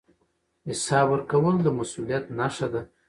حساب ورکول د مسوولیت نښه ده